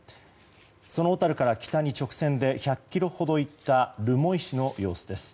その小樽から北に直線で１００ｋｍほど行った留萌市の様子です。